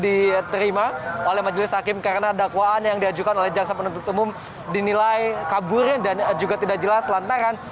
rizik sihab menurut alamso hanafiah menurut majelis hakim karena dakwaan yang diajukan oleh jaxa penuntut umum dinilai kabur dan juga tidak jelas lantaran